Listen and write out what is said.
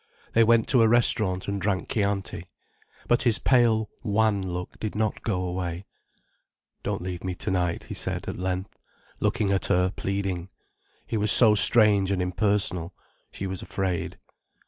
They went to a restaurant, and drank chianti. But his pale, wan look did not go away. "Don't leave me to night," he said at length, looking at her, pleading. He was so strange and impersonal, she was afraid.